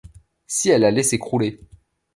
Si elle allait s’écrouler !